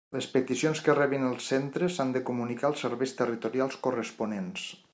Les peticions que rebin els centres s'han de comunicar als serveis territorials corresponents.